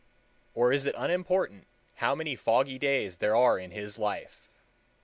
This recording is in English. Or is it unimportant how many foggy days there are in his life?